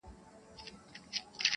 توري ورځي سپیني شپې مي نصیب راکړې-